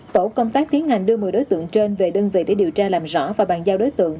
tổ công tác tiến hành đưa một mươi đối tượng trên về đơn vị để điều tra làm rõ và bàn giao đối tượng